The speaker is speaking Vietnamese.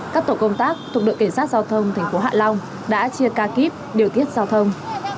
các tổ công tác thuộc đội cảnh sát giao thông thành phố hạ long đã chia ca kíp điều tiết giao thông